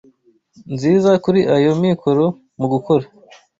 nziza kuri ayo mikoro mugukora